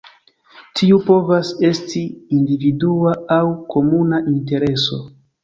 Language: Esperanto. Tiu povas esti individua aŭ komuna intereso.